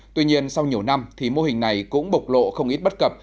tuy nhiên sau nhiều năm thì mô hình này cũng bộc lộ không ít bất cập